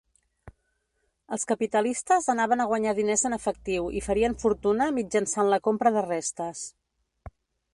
Els capitalistes anaven a guanyar diners en efectiu i farien fortuna mitjançant la compra de restes.